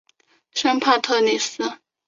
圣帕特里斯。